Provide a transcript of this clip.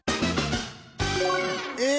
え